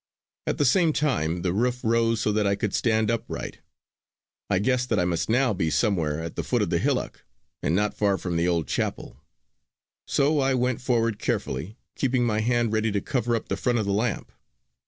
At the same time the roof rose so that I could stand upright. I guessed that I must be now somewhere at the foot of the hillock and not far from the old chapel; so I went forward carefully, keeping my hand ready to cover up the front of the lamp.